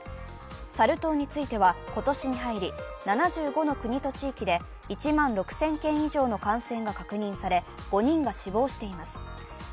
サル痘については、今年に入り７５の国と地域で１万６０００件以上の感染が確認され、５人が死亡しています。